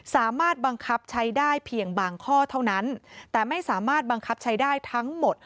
สามารถบังคับใช้ได้เพียงบางข้อเท่านั้นแต่ไม่สามารถบังคับใช้ได้ทั้งหมด